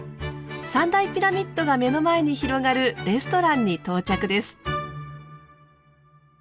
３大ピラミッドが目の前に広がるレストランに到着です。